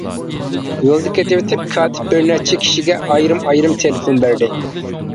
يولدا كېتىۋېتىپ كاتىپ بىر نەچچە كىشىگە ئايرىم-ئايرىم تېلېفون بەردى.